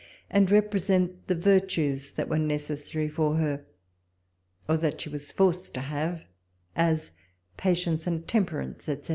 and represent the vir tues that were necessary for her, or that she was forced to have, as Patience and Temperance, etc.